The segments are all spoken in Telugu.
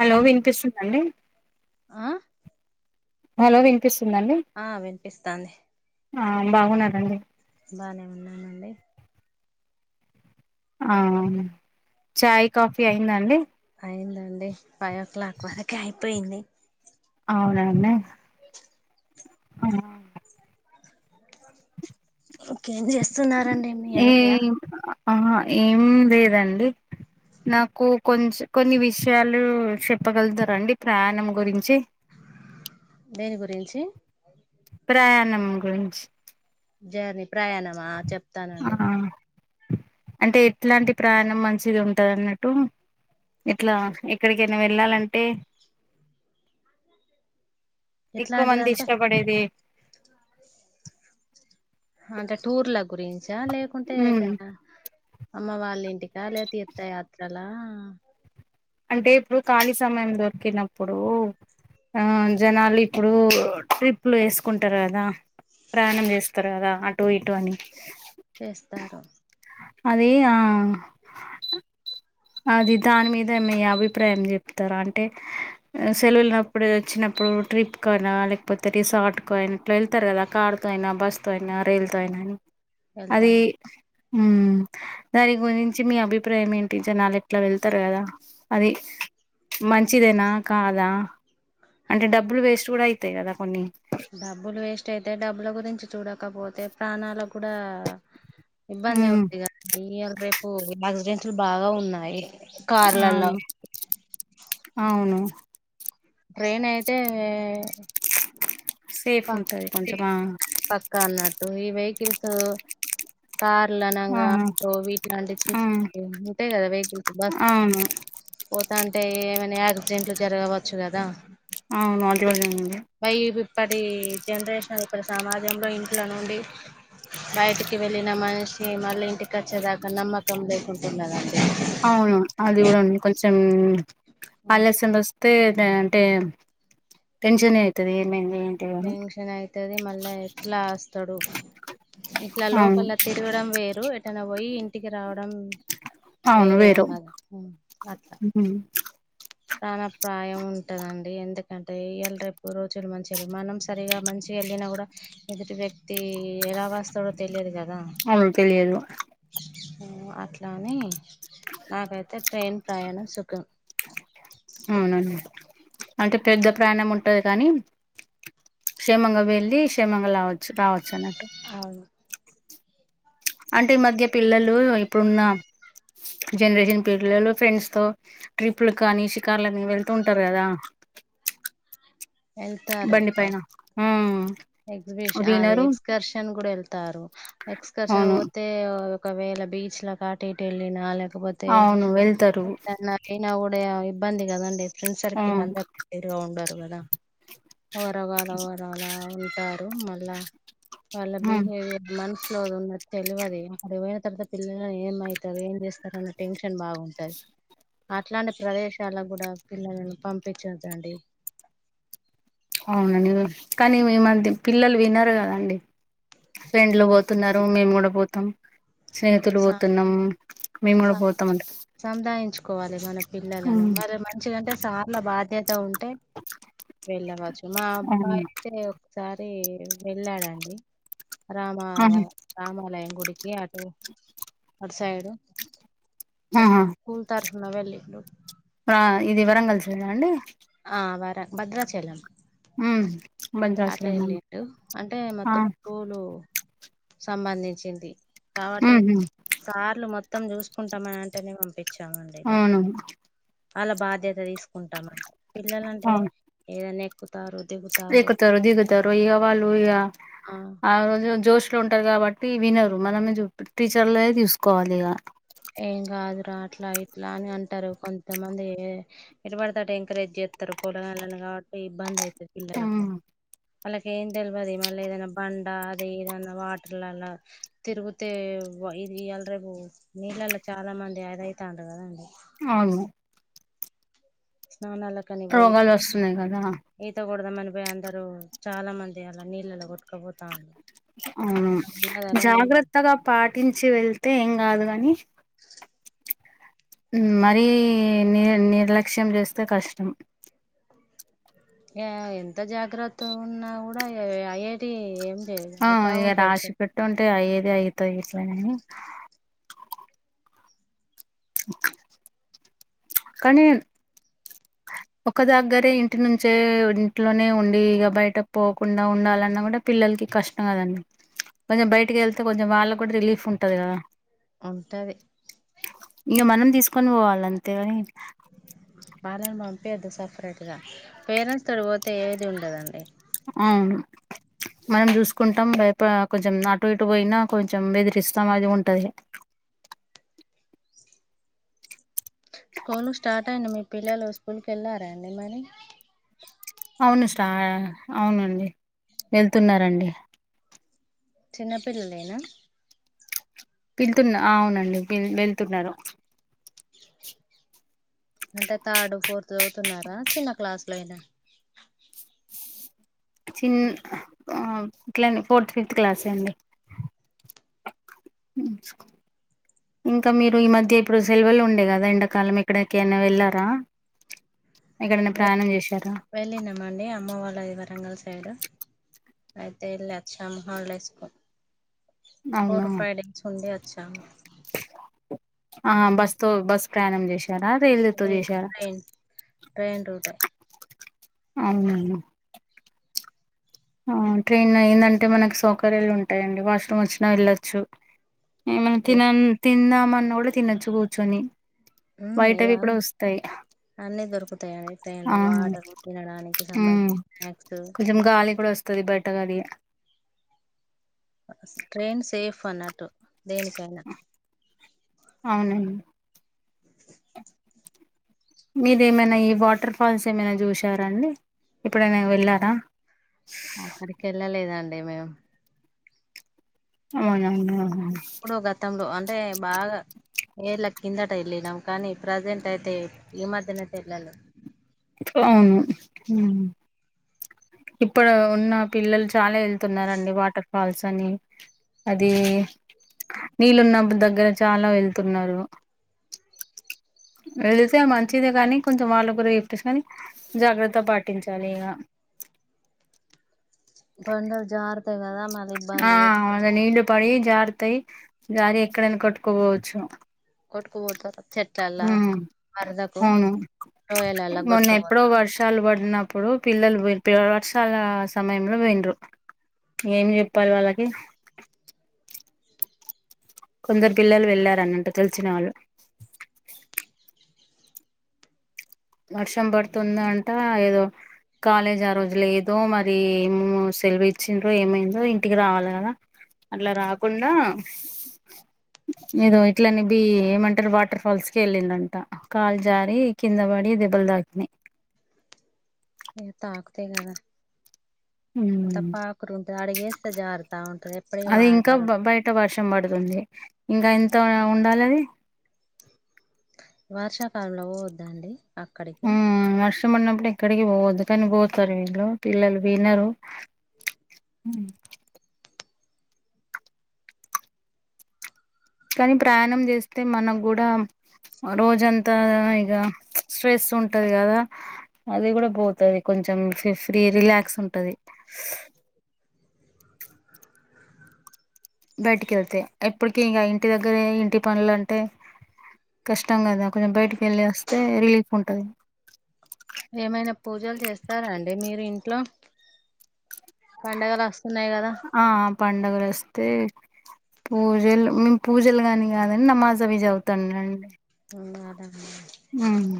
హలో వినిపిస్తుంద అండి ఆ హలో వినిపిస్తు ఆ వినిపిస్తాంది ఆ బాగున్నార అండి బానే ఉన్నానండి ఆ అవును చాయ్ కాఫీ అయింద అండి అయిందండి ఫైవ్ ఓ క్లాక్ వరకే అయిపోయింది అవునా అండి ఆ ఇంకేం చేస్తున్నారండి మియ్యి అయినయా అహ ఏం లేదండి నాకు కొంచ కొన్ని విషయాలు చెప్పగలుగుతరా అండి ప్రయాణం గురించి దేని గురించి ప్రయాణం గురించి జర్నీ ప్రయాణమా చెప్తానండి ఆ అంటే ఎట్లాంటి ప్రయాణం మంచిగ ఉంటది అన్నట్టు ఇట్లా ఎక్కడికైనా వెళ్ళాలంటే ఎక్కువమంది ఎట్లాంటిదంటే ఇష్టపడేది అంటే టూర్ల గురించా లేకుంటే ఉమ్ ఏటన్న అమ్మ వాళ్ళ ఇంటికా లెక తీర్తయాత్రలా అంటే ఇప్పుడు కాలీ సమయం దొరికినప్పుడు ఆ జనాలు ఇప్పుడు ట్రిప్లు వేసుకుంటారు కదా ప్రయాణం చేస్తారు కదా అటు ఇటు అని చేస్తారు అది ఆ అది దాని మీద మీ అభిప్రాయం చెప్తార అంటే సెలవులప్పుడు వచ్చిన ఇప్పుడు ట్రిప్కు అయినా లేకపోతే రిసార్టుకు అయినా ఇట్లా వెళ్తారు కదా కారుతో అయినా బస్సుతో అయిన రైలుతో అయిన అది వెళ్తాం ఉ దాని గురించి మీ అభిప్రాయం ఏం జనాలు అట్లా వెళ్తారు కదా అది మంచిదేనా కాదా అంటే డబ్బులు వేస్ట్ కూడ అయితయి కదా కొన్ని డబ్బులు వేస్ట్ అయితే డబ్బుల గురించి చూడకపోతే ప్రాణాలకు కూడా ఇబ్బందే ఉమ్ ఉందిగ ఇయాళా రేపు యాక్సిడెంట్స్లు బాగా ఉన్నాయి కార్లలో అవును అవును ట్రైన్ అయితే సేఫ్ ప ఉంటది కొంచము ఆ పక్కా అన్నట్టు ఈ వెహికల్స్ కార్లు ఆ అనంగా ఆటో వీట్లాంటివి ఆ ఉంటయి కదా వెహికల్స్ బస్ అవును పోతాంటే ఏమైనా యాక్సిడెంట్లు జరగవచ్చు కదా. అవును అది [inaudible] బయి ఇప్పటి జనరేషన్ ఇప్పటి సమాజంలో ఇంట్ల నుండి బయటికి వెళ్ళిన మనిషి మళ్ళీ ఇంటికి వచ్చేదాకా నమ్మకం లేకుంటున్నది. అవును అది కూడా కొంచెం ఆ, ఆలస్ [unintelligible] తే అ అంటే టెన్షన్ అయితది ఏమై టెన్షన్ అయితది మళ్ళా ఎట్లా అస్తడు ఇట్లా అవును లోపల తిరగడం వేరు, ఎటనా పోయి ఇంటికి రావడం అవును వేరే వేరు ఉన్నద అట్లా హ్మ్. ప్రాణ ప్రాయం ఉంటదండి. ఎందుకంటే ఇయళ రేపు రోజులు మంచిగ లెవ్వు మనం సరిగా మంచి వెళ్ళిన కూడా ఎదుటి వ్యక్తి ఎలా వస్తాడో తెలియదు కదా. అవును తెలియదు. అట్లాని నాకైతే ట్రైన్ ప్రయాణం సుఖం. అవునండి అంటే పెద్ద ప్రయాణం ఉంటది కానీ క్షేమంగా వెళ్ళి క్షేమంగా లావచ్చు రావచ్చు అన్నట్టు. అవును అంటే ఈ మధ్య పిల్లలు ఇప్పుడున్న జనరేషన్ పిల్లలు ఫ్రెండ్స్ తో ట్రిప్లకనీ షికార్లకని వెళ్తూ ఉంటరు కదా. బండి పైనా ఎక్జబిషన్ అదే ఎక్స్కర్షన్ కూడా వెళ్తారు ఎక్స్కర్షన్ అవును పోతే ఒకవేళ బీచ్లకటిటు ఎళ్ళినా లేకపోతే అవును వెళ్తారు ఎటన్నా వొయినా కూ డ ఇబ్బంది కదండి ఫ్రెండ్ సర్కిల్ అవును అందరు ఒకతీరుగా ఉండరు కదా. ఒగరు గల ఒగరు అలా ఉంటారు మళ్ళా వాళ్ళ హ్మ్ బిహేవియర్ మనసు లో ఉన్నది తెలవది. అక్కడ పోయిన తర్వాత పిల్లలని ఏమయితది, ఏం చేస్తరు అన్న టెన్షన్ బాగుం టది అట్లాంటి ప్రదేశాలకు కూడా పిల్లలను పంపించవద్దండి. అవునండి కానీ ఈ మధ్య పిల్లలు వినరు కదండి. ఫ్రెండ్లు ఇలా పోతున్నరు మేము కూడా పోతం. స్నేహితులు సం పోతున్నాం మేము కూడా పోతం అంటే సందాయించుకోవాలె మన పిల్లలను మరి మంచిగాంటే సార్ల బాధ్య త ఉంటే వెళ్ళవచ్చు మా అవును అబ్బాయి అయితే ఒకసారి అయితే వెళ్ళాడండి రామ ఆహా రామాలయం గుడికి అటు సైడ్ ఆహా స్కూల్ తరఫున వెళ్ళిండు. ఏది వరంగల్ సైడా అండి. ఆ వర భద్రాచలం ఉ అటు వెళ్ళిండు అంటే ఆ మొత్తం స్కూలు సంబంధించింది. కాబట్టి హ్మ్ హు సార్లు మొత్తం చూసుకుంటమని అంటనే పంపి అవును ఆళ్ళ బాధ్యత తీసుకుంటాం అంటే పిల్లలంటే ఏదనా ఎక్కుతారు దిగుతారు ఎక్కుతరు, దిగుతరు ఇగ వాళ్ళు ఇగా ఆ రోజు జోష్ అట్లా ఉంటరు కాబట్టి వినరు మనమూ చూస్ టీచర్లే చూసుకోవాలి ఇగా. ఏం కాదురా అట్లా ఇట్లా అని అంటరు కొంతమంది ఎటు పడితే అటు ఎంకరేజ్ చే త్తరు పొలగాళ్ళని కాబట్టి ఇబ్బంది అయితది హ్మ్ పిల్లలకు. వాళ్ళకి ఏం తెలవది. మళ్ళా ఏదన్నా బండా అది ఇదన్నా వాటర్లల్లా తిరుగుతే ఇది ఇయాళ రేపు నీళ్ళల్ల చాలా మంది అది అయితాంరు కదండి. అవును స్నానాల కని పోయి రోగాలు వస్తున్నాయి కదా ఈత కొ డదామని పోయి అందరు చాలా మంది అలా నీళ్ళలో కొట్టుకపోతాంలు. అవును జాగ్రత్తగా పాటించి వెళ్తే ఏం కాదు కాని మరీ ని నిర్లక్ష్యం చేస్తే కష్టం ఎంత జాగ్రత్త ఉన్నా కూడా ఐఐటి ఏం లేదు ఆ అయితా ఇక ఉంటాయి రాశి చెప్ పెట్టు ఉంటే అయ్యేది అయితాయి ఇట్లని ఓకే కనీన్ ఒక దగ్గరే ఇంటి నుంచే ఇంట్లోనే ఉండి ఇక బయట పోకుండా ఉండాలన్నా కూడా పిల్ల పిల్లలకి కష్టం కదండి కొంచెం బయటికి వెళ్తే కొంచెం వాళ్ళ కూడా రిలీఫ్ ఉంటది కదా ఉంటది కొను పోవాలి అంతే కానీ వాళ్ళని పంపయద్దు సపరేట్ గా పేరెంట్స్ తోడి పోతే ఏది ఉండదండి అవును మనం చూసుకుంటాం భయ కొంచెం అటు ఇటు పోయినా కొంచెం వెెదిరిస్తాం అది ఉంటది స్కూల్ స్టార్ట్ అయింది మీ పిల్లలు స్కూల్ క వెళ్ళారండి మరి అవును స్టా అవునండి వెళ్తున్నారండి చిన్న పిల్లలేనా పిళ్తున్న అవునండి వెళ్తున్నారు అంటే థర్డ్ ఫోర్త్ చదువుతున్నారా చిన్న క్లాసు లోయినా చిన్న ఇట్లా ఫోర్త్ ఫిఫ్త్ క్లాసే అండి నస్ ఇంకా మీరు ఈ మధ్య ఇప్పుడు సెలవలు ఉండే కదా ఎండాకాలం ఎక్కడక అనా వెళ్ళారా ఎక్కడైనా ప్రయాణం చేశారా వెళ్ళినమాండి అమ్మ వాళ్ళ అది వరంగ అయితే ఇల్ళక్షమ హళ వేసుకో ఫో అవునా ఫైవ్ డేస్ ఉంది అచ్చా ఆ బస్ తో బస్ ప్రయాణం చేసి [unintelligible] దసా ట్రెయిన్ రూటే అవు ట్రైన్ ఏందంటే మనకు సౌకర్యాలు ఉంటాయండి వాష్రూమ్ వచ్చినా వెళ్ళొచ్చు మ తిన తిందామన్న కూడా తినొచ్చు కూచుని బయట అవి కూడా వస్తాయి అన్ని దొరుకుతాయాండి టైలో ఆ వాటర్ తినడానికి సంబంధించ స్క్స్ వస్తుతి బేట కది ట్రైన్ సేఫ్ అన్నట్టు దేనికైనా అవునండి అ మీరు ఏమైనా ఈ వాటర్ ఫాల్స్ ఏమైనా చూసారాండి ఇప్పుడైనా వెళ్ళారా ఆక్కడికి వెళ్ళ లేదాండి మేము అవునువును ఎప్పుడు గతంలో అంటే బాగా ఏ లక్ష కిందట వెళ్ళినాము కానీ ప్రజెంట్ అయితే ఈ మధనైతే వెళ్ళాలే అవును ఉమ్ ఇప్పుడు ఉన్న పిల్లలు చాలా వెళ్తున్నడి వాటర్ ఫాల్స్ అని అది నీళ్ళన్నప్పుడు దగ్గర చాలా వెళ్తున్నారు ద వెళితే మంచిదే కానీ కొంచెం వాళ్ళ గురి చెప్పేసుకని జాగ్రత్త పాటించాలి ఇక బండలు జార్ ఆ అళ నీళ్లు పడి జారతాయి జారి ఎక్కడైనా కొట్టుకోవచ్చు కొట్టుకోబోతార హ్మ్మ్ అవును లోయలలా మొన్న ఎప్పుడో కొట్టుకుపోతారు వర్షాలు పడ్ ఉన్నప్పుడు పిల్లలు వర్షాల సమయంలో పోయిండ్రు ఏమి చెప్పాలి వాళ్ళకి కొందరు పిల్లలు వెళ్ళారన్నట్టు తెలిసిన వాళ్ళు వర్షం పడుతుంది అంట ఏదో కాలేజ్ ఆ రోజులు ఏదో మరి ఏమో సెల్వు ఇచ్చండ్రో ఏమైందో ఇంటికి రావాలి కదా. అట్లా రాకుండా మీద ఇట్లనే బి ఏమంటారు వాటర్ ఫాల్స్ కి ఎళ్ళిందంట కాలు జారి కిందబడి దెబ్బలు తాకినై తాకుతాయి గద అంత పాకురు ఉంటుది అడిగేస్తే జారత ఉంటది ఎప్పటికి అది ఇంకా వాటరూ బయట వర్షం పడుతుంది ఇంకా ఎంత ఉండాలి అది వర్షాకాలంలో పోవద్దండి అక్కడికి ఇష్టమడినప్పుడు ఎక్కడికి పోవద్దు కాని పోతరు వీళ్ళు పిల్లలు వినరు హ్మ్మ్ కానీ ప్రయాణం చేస్తే మనకు కూడా రోజంతా ఇగ స్ట్రెస్ ఉంటది కదా అది కూడా పోతది కొంచెం ఫ్రీ రిలాక్స్ ఉంటది. బయటికి ఎళ్తే ఎప్పటికి ఇంకా ఇంటి దగ్గర ఇంటి పనులు అంటే కష్టం కదా ఆ కొంచెం బయటికి వెళ్ళి వస్తే రిలీఫ్ ఉంటది ఏమైనా పూజలు చేస్తారా అండి మీరు ఇంట్లో పండగలు వస్ ఆ ఆ పండుగలు వస్తే పూజలు మేము పూజలు అని కాదండి నమాజ్ అవి చదువుతాం అండి హ్మ్మ్ అదమ్మా హ్మ్మ్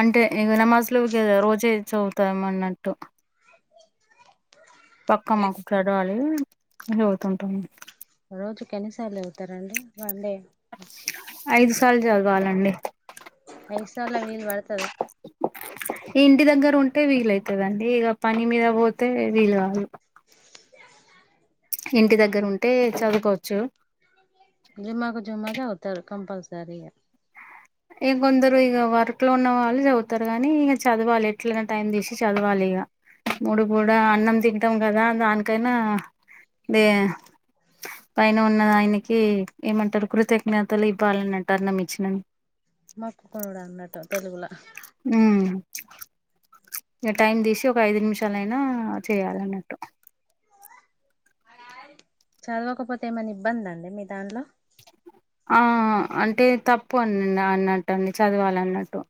అంటే ఇగ నమాజులు రోజే చదువుతాం అన్నట్టు పక్కా నమాజ్ చదవాలి చదువుతుంటాం రోజుకి ఎన్నిసార్లు చదువుతారండి వండే ఐదు సార్లు చదవాలండి ఐదుసార్ల వీలు వడతద ఇంటి దగ్గర ఉంటే వీలైతదండి ఇక పని మీద పోతే వీలు కాదు ఇంటి దగ్గర ఉంటే చదువుకోవచ్చు ఇగ మాకు జిమాకు చదువుతారు కంపల్సరిగా ఇగ కొందరు ఇక వర్క్ లో ఉన్న వాళ్ళు చదువుతారు కాగానీ ఇక చదవాలి ఎట్లనా టైం తీసి చదవాలి ఇగ. మూడు పూట కూడా అన్నం తింటాం కదా దానికైనా దే పైన ఉన్న ఆయనకి ఏమంటారు కృతజ్ఞతలు ఇవ్వాలన్నట్టు అన్నం ఇచ్చినందుకు. మొక్కుకొనుడు అన్నట్టు తెలుగుల హ్మ్మ్ ఇక టైం తీసి ఒక ఐదు నిమిషాలయినా చేయాలన్నట్టు చదవకపోతే ఏమనా ఇబ్బంద అండి మీ దాంట్లో ఆ అంటే తప్పు అన్న అన్నట్టు అండి చదవాలన్నట్టు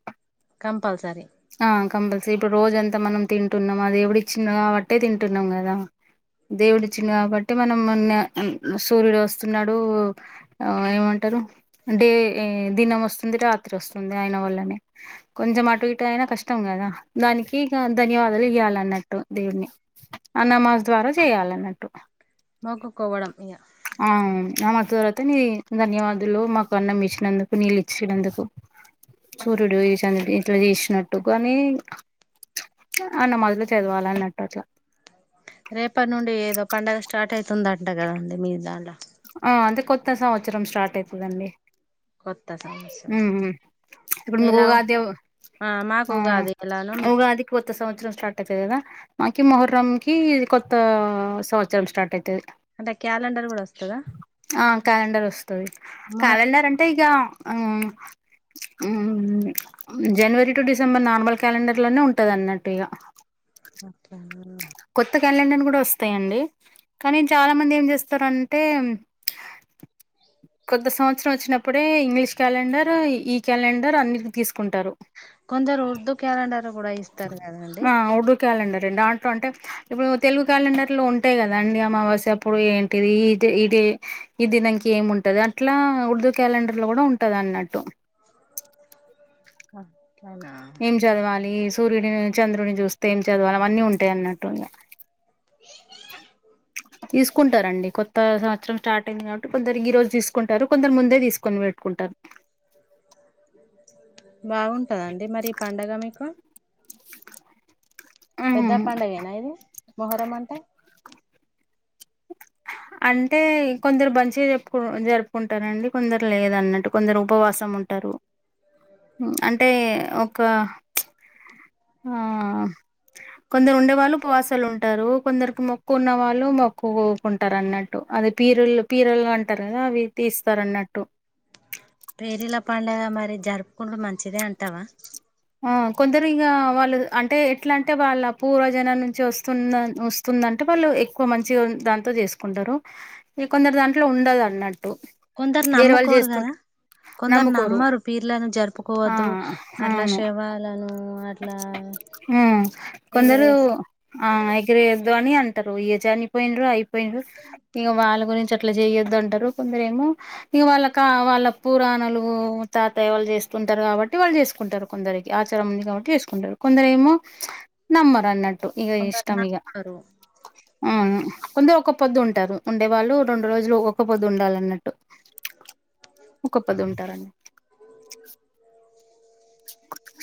కంపల్సరీ ఆ కంపల్సరీ ఇప్పుడు రోజంతా మనం తింటున్నాం ఆ దేవుడు ఇచ్చిండు కాబట్టే తింటున్నాం గదా. దేవుడిచ్చిండు కాబట్టి మనం సూర్యుడు వస్తున్నాడు ఏమంటే డే దినం వస్తుంది రాత్రి వస్తుంది ఆయిన వల్లనే కొంచెం అటు ఇటు అయినా కష్టం కదా దానికి ఇగ ధన్యవాదాలు ఇవ్వాలన్నట్టు దేవుని ఆ నమాజ్ ద్వారా చేయాలన్నట్టు మొక్కుకోవడం ఇగ ఆ ఆమె తర్వాత నీ ధన్యవాదులు మాకు అన్నం ఇచ్చినందుకు నీళ్ళు ఇచ్చినందుకు సూర్డు చ ఎట్ీ ఇష్ట ట్టు కానీ అన్న మదిలో చదవాల అన్నట్టు అట్లా రేపటి నుండి ఏదో పండగ స్టార్ట్ అవుతుందింట కదండి మీ దాంట్లో ఆ అంటే కొత్త సంవత్సరం స్టార్ట్ అయితుందండి కొత్త సస్ ఇప్పుడు మకుగా అదే మాకు ఆ ఉగాది ఎలానో మీకు ఇవగా అదిక్ వత్త సంవత్సరం స్టార్ట్ అతదిదా క ముహూర్్రం క కొత్త సంవత్సరం స్టార్ట్ అవుతుంది అంటే క్యాలెండర్ కూడా వస్తదా ఆ క్యాలెండర్ వస్తుంది మొహరం క్యాలెండర్ అంటే ఇక అ January to December normal calendar లోనే ఉంటంది అన్నట్టు ఇక అకే కొత్త క్యాలెండర్ కూడా వస్తాయంండి కానీ చాలా మంది ఏం చేస్తారుంటే కొత్త సంవత్సరం వచ్చినప్పుడే ఇంగ్లీష్ క్యాలెండర్ ఈ క్యాలెండర్ అన్ని తీసుకు కొందరు ఉర్దూ క్యాలెండర్ కూడా ఇస్తారు కదండి క్యాలండర్ రం ఆట్లో అంటే ఇప్పుడు తెలుగు క్యాలెండర్ లో ఉంటాయి కదా అండి అమావాస్య అప్పుడు ఏంటిది ఇే ఇది దానికి ఏం ఉంటది అట్లా ఉర్దూ క్యాలెండర్ లో కూడా ఉంటది అన్నట్టు ఆ ఏం చదవాలి సూర్యుడి చంద్రుని చూస్తే ఏం చదవాలి అవన్నీ ఉంటాయి అన్నట్టుగా తీసుకుంటారండి కొత్త సంవత్రం స్టార్ట్ అయింది కాబట్టి కొందరు ఈ రోజు తీసుకుంటారు కొందరు ముందే తీసుకొని పెట్టుకుంటారు బాగుంటందండి మరి ఈ పడుగ మీకు పెద్ద హ్మ్. పండుగేనా ఇది మొహరం అంటే అంటే కొందరు మంచిగా చెప్పుకు జరుపుకుంటారంండి కొందరు లేదన్నట్టు కొందరు ఉపవాసం ంట అంటే ఒక ఆ కొందరు ఉండే వాళ్ళు పాసలు ఉంటారు కొందరికి మొక్కు ఉన్న వాళ్ళు మొక్కుకుంటారు అంటారున్నట్టు అది పీరుళ పీరులు అంటారు కదా అవి తీస్తారున్నట్టు పేరీల పండుగ మరి జరుపుకుంటడు మంచిదే అంటావా ఆ కొందరు ఇక వాళ్ళు అంటే ఎట్లా అంటే వాళ్ళ పూవజనా నుంచి వస్తుంద వస్తుందంటే వాళ్ళు ఎక్కువ మంచిగా దాంతో చేసుకుంటారు ఈ కొందరు దాంట్లో ఉండదు అన్నట్ కొందరు వేరే వాళ్ళు నమ్ముకోరు కదా చేస్తుంటారు కొందరు నమ్మరు పీర్లను జరుపుకోవద్దు అట్లా అవును సేవ ఆ కొందరు ఎగరేసి ఆ ఇగర అని అంటారు ఏజ అనిపోయిన్రు అయిపోయిన్రు ఇంక వాళ్ళ గురించి అట్లా చేయొద్ అంటారు కొందర ఏమో ఇక వాళ్ళ కా వాళ్ళ పురాణాలు తాతయవాళ చేస్తు ంటారు కాబట్టి వాళ్ళు చేసుకుంటారు కొందరికి ఆచారం ఉంది కాబట్టి చేసుకుంటారు కొందరు ఏమో నమ్మరు అన్నట్టు ఇ కొందరు ఇష్టంగ నమ్మరు ఆ ముంద ఒక పొద్దు ఉంటారు ఉండే వాళ్ళు రెండు రోజులు ఒక పొద్దు ఉండాల అన్నట్టు ఒక పది ఉంటారండి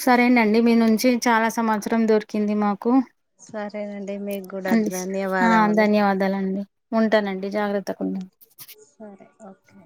సరేనండి మీ నుంచి చాలా సంవత్సరం దొరికింది మాకు సరేనండి మీకు కూడా అడి ఆ ధన్యవాదములు ధన్యవాదాలు అండి ఉంటానండి జాగ్రత్తకుడా సరే ఓకే